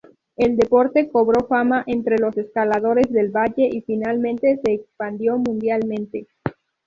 El deporte cobró fama entre los escaladores del valle, y finalmente se expandió mundialmente.